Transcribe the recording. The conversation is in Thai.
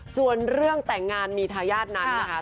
ส่วนเรื่องแต่งงานมีทายาทนั้นนะคะ